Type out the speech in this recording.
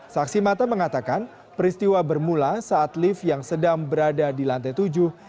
saksi mata mengatakan peristiwa bermula saat lift yang sedang berada di lantai tujuh